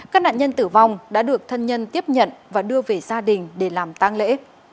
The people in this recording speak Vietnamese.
các nạn nhân tử vong đã được thân nhân tiếp nhận và đưa về gia đình để làm tăng lễ